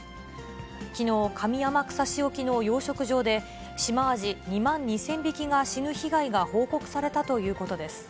きのう、上天草市沖の養殖場で、シマアジ２万２０００匹が死ぬ被害が報告されたということです。